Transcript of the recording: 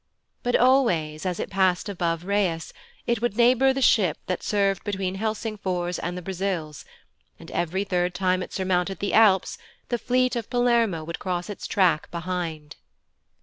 But always, as it passed above Rheas, it would neighbour the ship that served between Helsingfors and the Brazils, and, every third time it surmounted the Alps, the fleet of Palermo would cross its track behind.